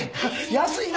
安いな。